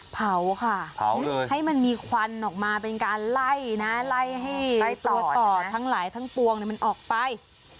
เผาค่ะเผาให้มันมีควันออกมาเป็นการไล่นะไล่ให้ตัวต่อทั้งหลายทั้งปวงมันออกไป